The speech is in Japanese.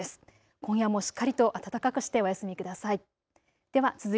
今夜もしっかりと暖かくしてお休みください。